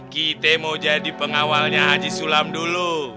kita mau jadi pengawalnya haji sulam dulu